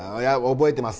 覚えてます。